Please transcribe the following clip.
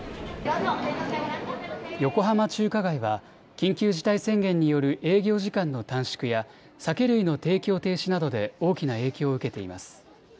横浜中華街は緊急事態宣言による営業時間の短縮や酒類の提供停止などで大きな影響を受けています。